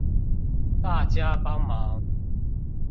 大家幫忙